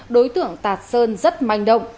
đối tượng tạt sơn rất manh động